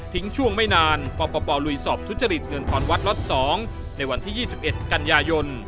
ช่วงไม่นานปปลุยสอบทุจริตเงินถอนวัดล็อต๒ในวันที่๒๑กันยายน